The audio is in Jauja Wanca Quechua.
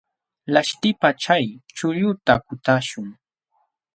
Laśhtipaq chay chuqlluta kutaśhun.